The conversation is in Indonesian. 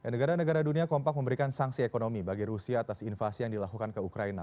negara negara dunia kompak memberikan sanksi ekonomi bagi rusia atas invasi yang dilakukan ke ukraina